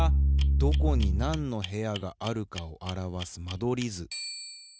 どこになんの部屋があるかをあらわす間取り図。